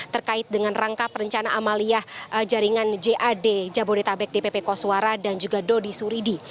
terkait dengan rangka perencana amaliyah jaringan jad jabodetabek dpp koswara dan juga dodi suridi